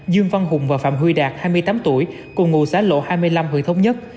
dương văn hùng và phạm huy đạt hai mươi tám tuổi cùng ngủ xã lộ hai mươi năm tp hcm